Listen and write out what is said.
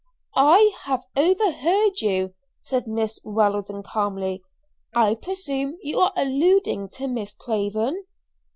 "I have overheard you," said Miss Weldon calmly. "I presume you are alluding to Miss Craven?"